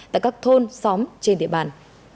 tại các thôn xóm trên địa bàn